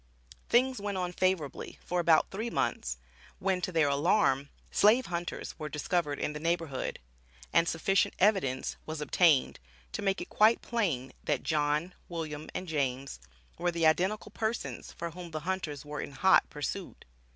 Things went on favorably for about three months, when to their alarm "slave hunters were discovered in the neighborhood," and sufficient evidence was obtained to make it quite plain that, John, William and James were the identical persons, for whom the hunters were in "hot pursuit."